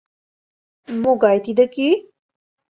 — Могай тиде кӱ?